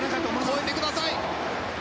超えてください！